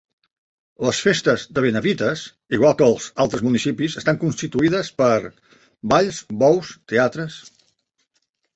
Les festes de Benavites igual que els altres municipis estan constituïdes per balls, bous, teatres.